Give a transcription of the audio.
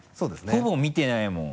ほぼ見てないもん。